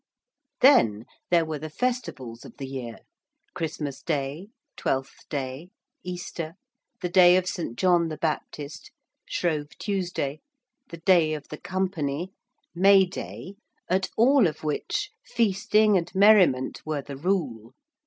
Then there were the Festivals of the year, Christmas Day, Twelfth Day, Easter, the Day of St. John the Baptist, Shrove Tuesday, the Day of the Company, May Day, at all of which feasting and merriment were the rule.